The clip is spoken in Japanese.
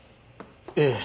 ええ。